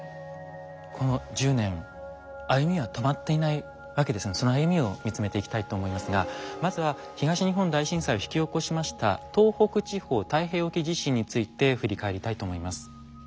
この１０年歩みは止まっていないわけですがその歩みを見つめていきたいと思いますがまずは東日本大震災を引き起こしました東北地方太平洋沖地震について振り返りたいと思います。